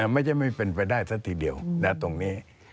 ไม่ใช่ไม่เป็นไปได้ซะทีเดียวนะตรงนี้